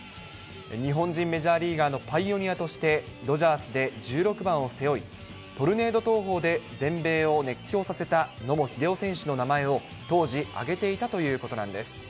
日本人メジャーリーガーのパイオニアとしてドジャースで１６番を背負い、トルネード投法で全米を熱狂させた野茂英雄選手の名前を当時、挙げていたということなんです。